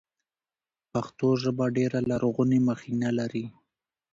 پښتو ژبه ډېره لرغونې مخینه لري.